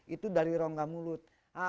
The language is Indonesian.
itu dari rongga mulut